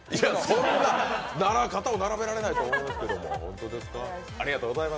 そんな、肩を並べられないと思いますけど、ホンマですか？